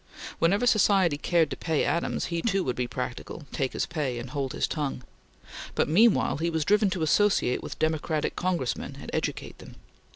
Whenever society cared to pay Adams, he too would be practical, take his pay, and hold his tongue; but meanwhile he was driven to associate with Democratic Congressmen and educate them.